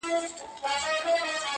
نیمه تنه یې سوځېدلې ده لا شنه پاته ده!.